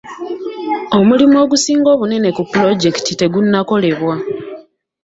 Omulimu ogusinga obunene ku pulojekiti tegunnakolebwa..